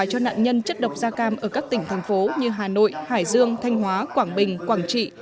cho nạn nhân chất độc da cam ở các tỉnh thành phố như hà nội hải dương thanh hóa quảng bình quảng trị